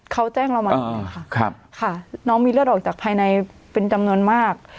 เขาแจ้งเรามาค่ะค่ะน้องมีเลือดออกจากภายในเป็นจำนวนมาก